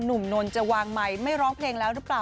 นนท์จะวางไมค์ไม่ร้องเพลงแล้วหรือเปล่า